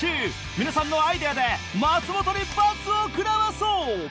皆さんのアイデアで松本に罰を食らわそう！